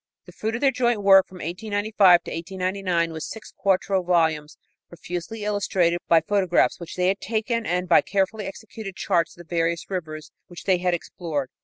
The fruit of their joint work from 1895 to 1899 was six quarto volumes profusely illustrated by photographs which they had taken and by carefully executed charts of the various rivers which they had explored.